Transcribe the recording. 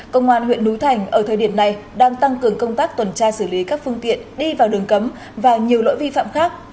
công an huyện núi thành ở thời điểm này đang tăng cường công tác tuần tra xử lý các phương tiện đi vào đường cấm và nhiều lỗi vi phạm khác